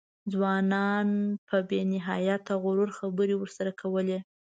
ځوانانو په بې نهایت غرور خبرې ورسره کولې.